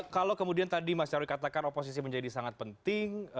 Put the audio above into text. jadi tadi mas herwi katakan oposisi menjadi sangat penting